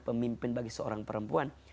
pemimpin bagi seorang perempuan